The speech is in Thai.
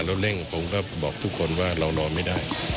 เร่งผมก็บอกทุกคนว่าเรานอนไม่ได้